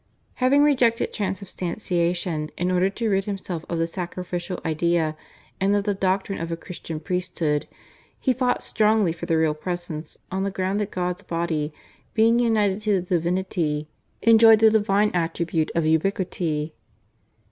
Having rejected Transubstantiation in order to rid himself of the sacrificial idea and of the doctrine of a Christian priesthood, he fought strongly for the Real Presence on the ground that God's body, being united to the divinity, enjoyed the divine attribute of ubiquity.